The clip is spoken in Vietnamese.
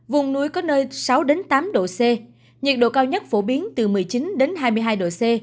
vùng núi có nơi sáu tám độ c nhiệt độ cao nhất phổ biến từ một mươi chín hai mươi hai độ c